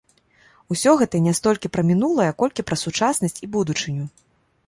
Усё гэта не столькі пра мінулае, колькі пра сучаснасць і будучыню.